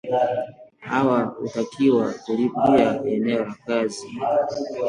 Hawa hutakiwa kulipia eneo la kazi